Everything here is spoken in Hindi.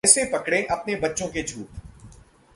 ऐसे पकड़ें अपने बच्चों के झूठ